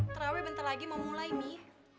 terawih bentar lagi mau mulai nih